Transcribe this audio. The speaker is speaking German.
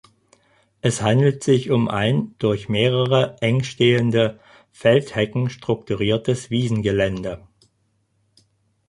Es handelt sich um ein durch mehrere eng stehende Feldhecken strukturiertes Wiesengelände.